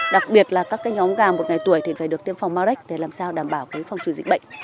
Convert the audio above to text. đặc biệt là các nhóm gà một ngày tuổi thì phải được tiêm phòng maurect để làm sao đảm bảo phòng trừ dịch bệnh